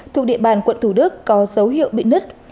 thuộc địa bàn quận thủ đức có dấu hiệu bị nứt